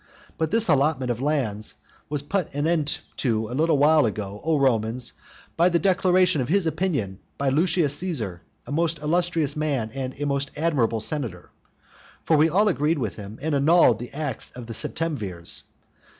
But this allotment of lands was put an end to a little while ago, O Romans, by the declaration of his opinion by Lucius Caesar a most illustrious man and a most admirable senator. For we all agreed with him and annulled the acts of the septemvirs.